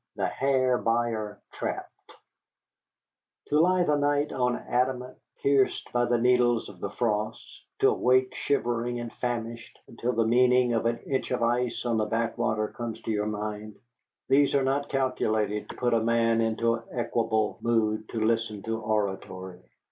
THE HAIR BUYER TRAPPED To lie the night on adamant, pierced by the needles of the frost; to awake shivering and famished, until the meaning of an inch of ice on the backwater comes to your mind, these are not calculated to put a man into an equable mood to listen to oratory.